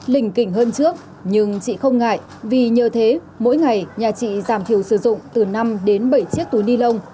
lình kỉnh hơn trước nhưng chị không ngại vì nhờ thế mỗi ngày nhà chị giảm thiểu sử dụng từ năm đến bảy chiếc túi ni lông